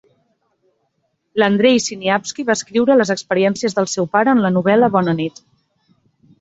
Andrei Sinyavsky va descriure les experiències del seu pare en la novel·la Bona nit!